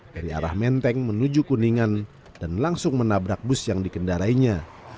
dari arah menteng menuju kuningan dan langsung menabrak bus yang dikendarainya